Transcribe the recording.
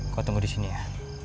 gue tunggu di sini ya